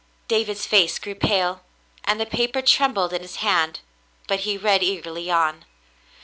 David's face grew pale, and the paper trem bled in his hand, but he read eagerly on.